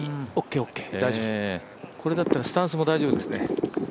これだったらスタンスも大丈夫ですね。